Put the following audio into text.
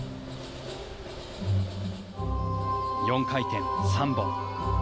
４回転３本。